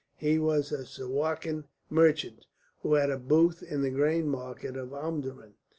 He was a Suakin merchant, who had a booth in the grain market of Omdurman.